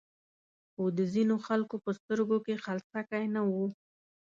خو د ځینو خلکو په سترګو کې خلسکی نه و.